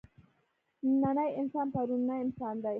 نننی انسان پروني انسان دی.